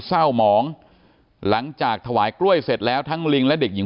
เศร้าหมองหลังจากถวายกล้วยเสร็จแล้วทั้งลิงและเด็กหญิง